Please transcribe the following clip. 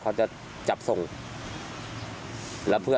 เขาจะไม่จับพวกเราหรือ